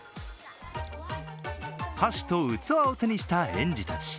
箸と器を手にした園児たち。